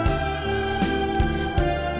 jangan lupa untuk mencoba